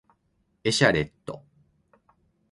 エシャレット